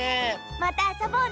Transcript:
またあそぼうね